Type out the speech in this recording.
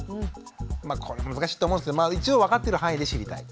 まあこれ難しいと思うんですけど一応分かってる範囲で知りたい。